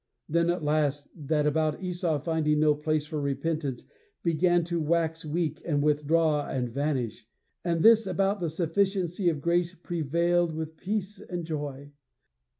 Then, at last, that about Esau finding no place for repentance began to wax weak and withdraw and vanish, and this about the sufficiency of grace prevailed with peace and joy.'